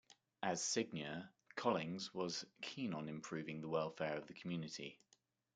As seigneur, Collings was keen on improving the welfare of the community.